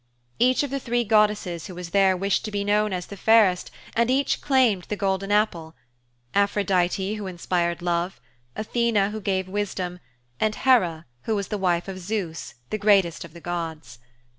Each of the three goddesses who was there wished to be known as the fairest and each claimed the golden apple Aphrodite who inspired love; Athene who gave wisdom; and Hera who was the wife of Zeus, the greatest of the gods.